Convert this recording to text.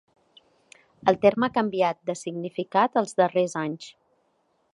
El terme ha canviat de significat els darrers anys.